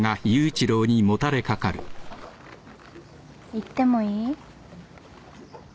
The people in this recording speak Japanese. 言ってもいい？